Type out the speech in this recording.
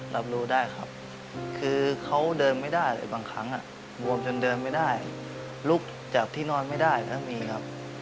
รับรู้ได้ครับคือเขาเดินไม่ได้บางครั้งบวมจนเดินไม่ได้ลุกจากที่นอนไม่ได้ก็มีครับ